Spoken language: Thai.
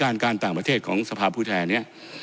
การการต่างประเทศของสภาพผู้แทนเนี่ย